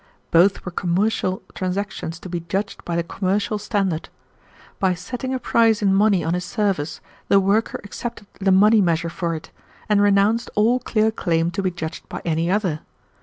Both were commercial transactions to be judged by the commercial standard. By setting a price in money on his service, the worker accepted the money measure for it, and renounced all clear claim to be judged by any other.